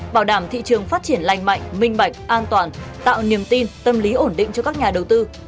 bảo đảm thị trường phát triển lành mạnh minh bạch an toàn tạo niềm tin tâm lý ổn định cho các nhà đầu tư